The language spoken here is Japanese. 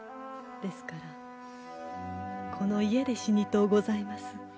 ですからこの家で死にとうございます。